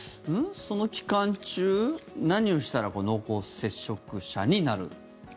その期間中何をしたら濃厚接触者になる？